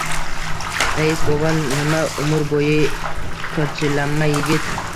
— Rais bova, nima, umr bo‘yi qirchillama yigit